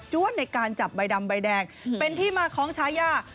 ในการจับใบดำใบแดงเป็นที่มาของชายา